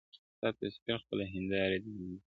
ستا تصوير خپله هينداره دى زما گراني .